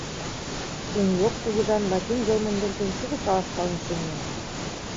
Суньог кугыжан латин йылме нерген шуко каласкален сеҥен.